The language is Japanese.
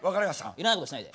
いらないことしないで。